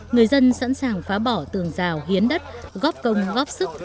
người dân sẵn sàng phá bỏ tường rào hiến đất góp công góp sức